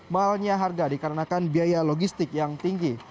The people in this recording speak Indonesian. mahalnya harga dikarenakan biaya logistik yang tinggi